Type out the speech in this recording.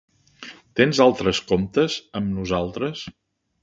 Tens altres comptes amb nosaltres?